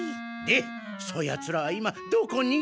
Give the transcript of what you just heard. でそやつらは今どこに？